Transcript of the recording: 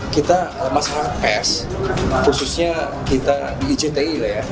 kita masyarakat pers khususnya kita di icti lah ya